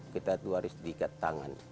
kita itu harus diikat tangan